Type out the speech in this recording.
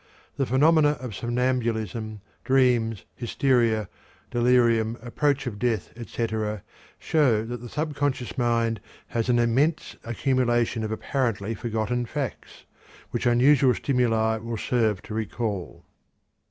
The phenomena of somnambulism, dreams, hysteria, delirium, approach of death, etc., show that the subconscious mind has an immense accumulation of apparently forgotten facts, which unusual stimuli will serve to recall.